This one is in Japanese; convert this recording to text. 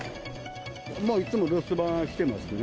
いつも留守番してますね。